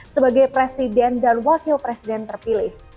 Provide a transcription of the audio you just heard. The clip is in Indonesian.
sebagai presiden dan wakil presiden terpilih